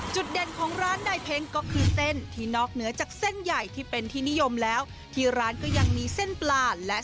เด่นของร้านนายเพ็งก็คือเส้นที่นอกเหนือจากเส้นใหญ่ที่เป็นที่นิยมแล้วที่ร้านก็ยังมีเส้นปลาและ